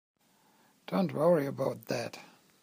Don't worry about that.